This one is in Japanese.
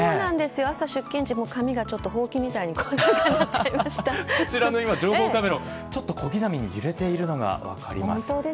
朝、出勤時も髪がほうきみたいにこちらの情報カメラも小刻みに揺れているのが分かります。